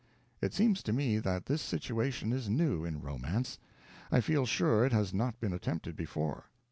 It seems to me that this situation is new in romance. I feel sure it has not been attempted before.